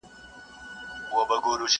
څوک به پوه سي چي له چا به ګیله من یې؟!